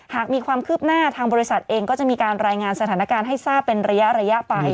หากมีความคืบหน้าทางบริษัทเองก็จะมีการรายงานสถานการณ์ให้ทราบเป็นระยะไป